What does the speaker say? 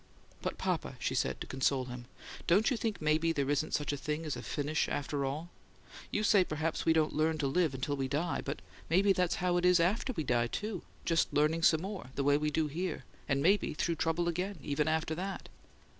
"But, papa," she said, to console him, "don't you think maybe there isn't such a thing as a 'finish,' after all! You say perhaps we don't learn to live till we die but maybe that's how it is AFTER we die, too just learning some more, the way we do here, and maybe through trouble again, even after that."